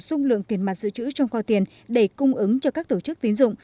dung lượng tiền mặt dự trữ trong kho tiền để cung ứng cho các tổ chức tín dụng